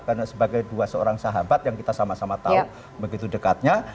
karena sebagai dua seorang sahabat yang kita sama sama tahu begitu dekatnya